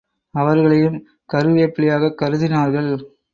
அவர்களையும் கருவேப்பிலையாக கருதினார்கள்.